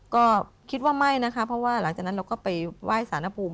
ก็คิดว่าไม่นะคะเพราะว่าหลังจากนั้นเราก็ไปไหว้สารภูมิ